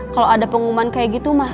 kalau ada pengumuman kayak gitu mah